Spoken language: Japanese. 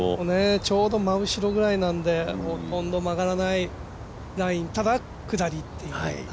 ちょうど真後ろぐらいなので曲がらないラインただ、下りっていう。